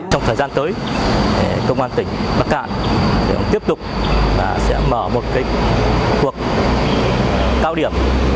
trong thời gian tới công an tỉnh bắc cạn sẽ tiếp tục mở một cuộc cao điểm